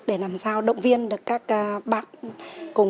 để làm sao động viên các bạn